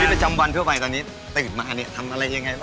รีบจำวันเท่าไรตอนนี้ตื่นมาทำอะไรยังไงบ้างครับ